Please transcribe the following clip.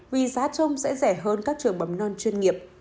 vì giá trông sẽ rẻ hơn các trường bấm non chuyên nghiệp